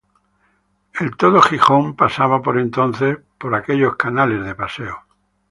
El 'todo Gijón' pasaba, por entonces, por aquellos canales de paseo.